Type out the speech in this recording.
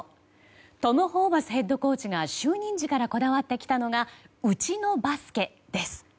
トム・ホーバスヘッドコーチが就任時からこだわってきたのがうちのバスケです。